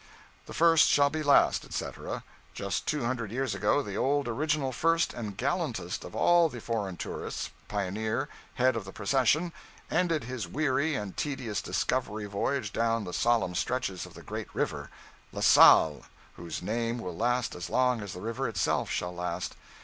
The first shall be last, etc. just two hundred years ago, the old original first and gallantest of all the foreign tourists, pioneer, head of the procession, ended his weary and tedious discovery voyage down the solemn stretches of the great river La Salle, whose name will last as long as the river itself shall last.